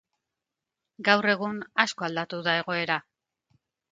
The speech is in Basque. Gaur egun, asko aldatu da egoera.